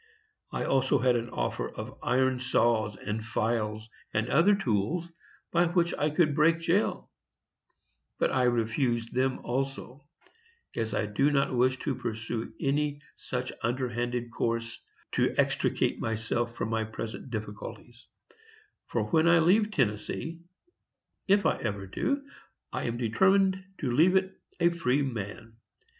I also had an offer of iron saws and files and other tools by which I could break jail; but I refused them also, as I do not wish to pursue any such underhanded course to extricate myself from my present difficulties; for when I leave Tennessee—if I ever do—I am determined to leave it a free man.